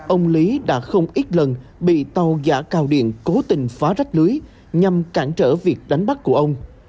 ông lý đã không ít lần bị tàu giả cao điện cố tình phá rách lưới nhằm cản trở việc đánh bắt của ông